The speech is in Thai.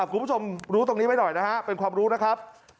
คุณผู้ชมรู้ตรงนี้ไว้หน่อยนะฮะเป็นความรู้นะครับ